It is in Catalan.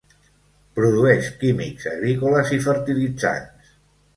Produeix químics agrícoles i fertilitzants.